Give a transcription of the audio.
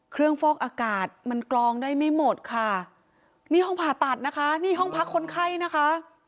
ฟอกอากาศมันกลองได้ไม่หมดค่ะนี่ห้องผ่าตัดนะคะนี่ห้องพักคนไข้นะคะ